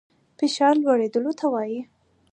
فشار لوړېدلو ته وايي.